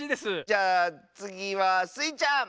じゃあつぎはスイちゃん！